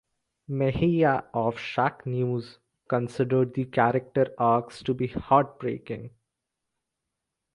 Mejia of "Shacknews" considered the character arcs to be "heartbreaking".